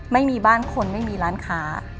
ไม่มีบ้านคนไม่มีร้านค้า